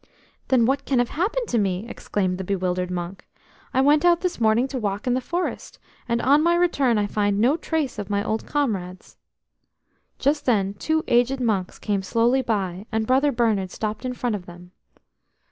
"Then what can have happened to me?" exclaimed the bewildered monk. "I went out this morning to walk in the forest, and on my return I find no trace of my old comrades." Just then two aged monks came slowly by, and Brother Bernard stepped in front of them.